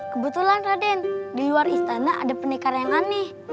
kebetulan raden di luar istana ada pendekar yang aneh